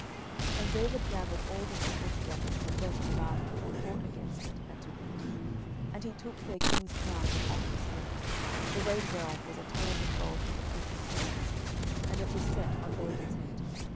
10:012:029 And David gathered all the people together, and went to Rabbah, and fought against it, and took it. 10:012:030 And he took their king's crown from off his head, the weight whereof was a talent of gold with the precious stones: and it was set on David's head.